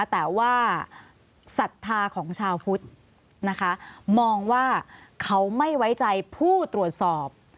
แต่ว่าศรัทธาของชาวพุทธนะคะมองว่าเขาไม่ไว้ใจผู้ตรวจสอบ